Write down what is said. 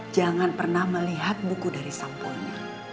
jangan pernah melihat buku dari sampulnya